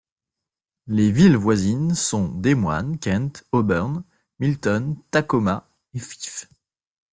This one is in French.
Les villes voisines sont Des Moines, Kent, Auburn, Milton, Tacoma et Fife.